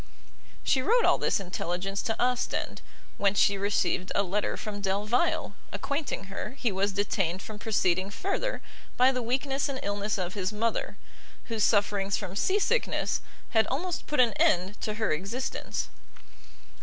She wrote all this intelligence to Ostend, whence she received a letter from Delvile, acquainting her he was detained from proceeding further by the weakness and illness of his mother, whose sufferings from seasickness had almost put an end to her existence.